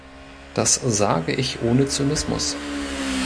Das sage ich ohne Zynismus.